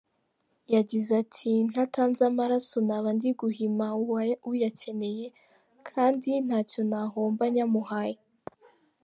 Yagize ati «ntatanze amaraso naba ndi guhima uyakeneye kandi ntacyo nahomba nyamuhaye».